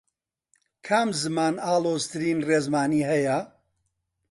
کام زمان ئاڵۆزترین ڕێزمانی هەیە؟